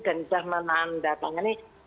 dan sudah menandatangani